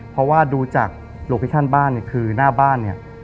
เพราะว่าดูจากโลเคชั่นบ้านเนี่ยคือหน้าบ้านเนี่ย